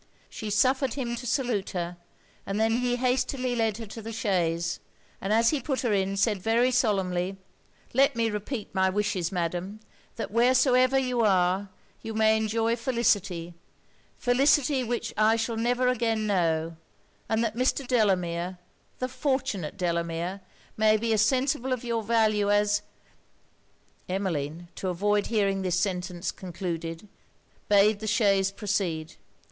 She suffered him to salute her; and then he hastily led her to the chaise; and, as he put her in, said very solemnly 'Let me repeat my wishes, Madam, that wheresoever you are, you may enjoy felicity felicity which I shall never again know; and that Mr. Delamere the fortunate Delamere may be as sensible of your value as ' Emmeline, to avoid hearing this sentence concluded, bade the chaise proceed.